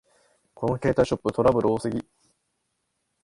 この携帯ショップ、トラブル多すぎ